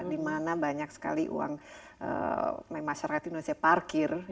dimana banyak sekali uang masyarakat indonesia parkir